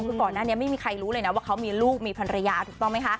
คือก่อนหน้านี้ไม่มีใครรู้เลยนะว่าเขามีลูกมีภรรยาถูกต้องไหมคะ